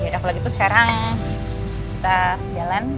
yaudah apalagi itu sekarang kita jalan